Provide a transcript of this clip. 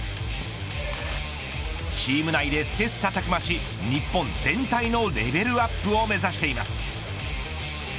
チーム内で切磋琢磨し日本全体のレベルアップを目指しています。